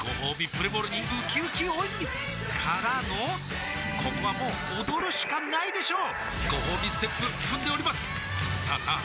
プレモルにうきうき大泉からのここはもう踊るしかないでしょうごほうびステップ踏んでおりますさあさあ